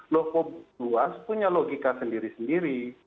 loko luas punya logika sendiri sendiri